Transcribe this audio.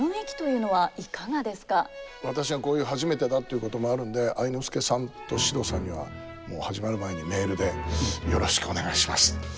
私がこういう初めてだっていうこともあるんで愛之助さんと獅童さんにはもう始まる前にメールで「よろしくお願いします。